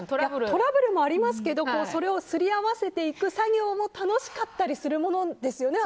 トラブルもありますけどそれをすり合わせていく作業も楽しかったりするものですよね